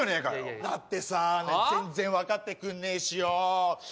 だってさ、全然分かってくれねぇしよ。